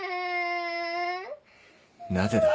なぜだ？